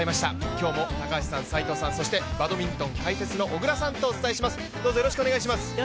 今日も高橋さん、斎藤さん、そして、バドミントン解説の小椋さんとお伝えします。